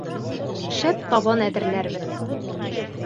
Шәп табын әҙерләрбеҙ.